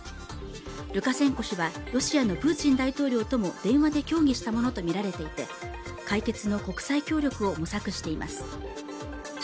ルカシェンコ氏は、ロシアのプーチン大統領とも電話で協議したものとみられていて、解決の国際協力を模索しています。